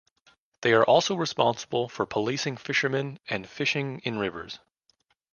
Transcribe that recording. They are also responsible for policing fisherman and fishing in rivers.